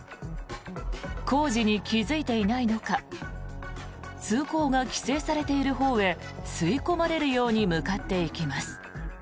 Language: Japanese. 工事に気付いていないのか通行が規制されているほうへ吸い込まれるように向かっていきます。